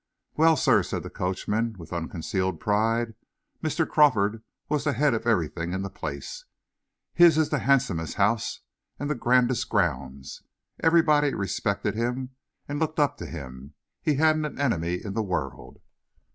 "Well, sir," said the coachman, with unconcealed pride, "Mr. Crawford was the head of everything in the place. His is the handsomest house and the grandest grounds. Everybody respected him and looked up to him. He hadn't an enemy in the world."